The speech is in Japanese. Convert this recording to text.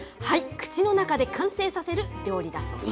口の中で完成させる料理だそうです。